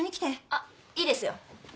あっ。いいですよ